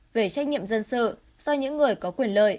về trách nhiệm dân sự do những người có quyền lợi